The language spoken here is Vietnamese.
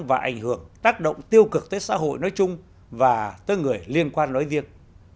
và ảnh hưởng tác động tiêu cực tới xã hội nói chung và tới người liên quan nói riêng